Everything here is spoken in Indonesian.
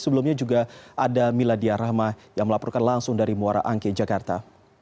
sebelumnya juga ada miladia rahma yang melaporkan langsung dari muara angke jakarta